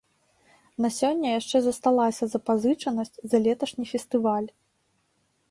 На сёння яшчэ засталася запазычанасць за леташні фестываль.